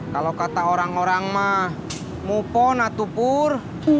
kalau kata orang orang mah move on atuh pur